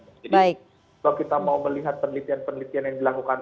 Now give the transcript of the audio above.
jadi kalau kita mau melihat penelitian penelitian yang dilakukan